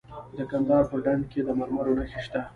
د کندهار په ډنډ کې د مرمرو نښې شته.